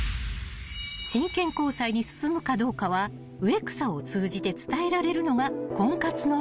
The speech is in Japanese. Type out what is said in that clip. ［真剣交際に進むかどうかは植草を通じて伝えられるのが婚活のルール］